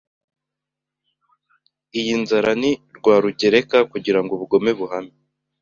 Iyi nzara ni Rwarugereka, kugirango ubugome buhame.